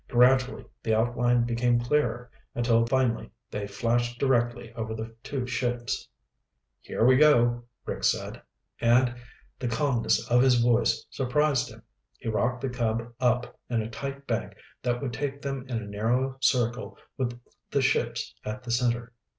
Gradually the outline became clearer until finally they flashed directly over the two ships. "Here we go," Rick said, and the calmness of his voice surprised him. He rocked the Cub up in a tight bank that would take them in a narrow circle with the ships at the center.